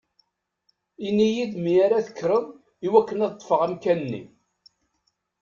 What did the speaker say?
Ini-yi-d mi ara tekkreḍ i wakken ad ṭṭfeɣ amkan-nni!